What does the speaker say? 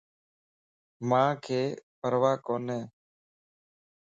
مانک پرواه ڪوني